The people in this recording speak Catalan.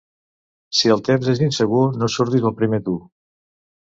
Si el temps és insegur, no surtis el primer tu.